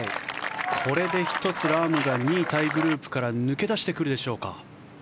これで１つ、ラームが２位タイグループから抜け出してくるでしょうか。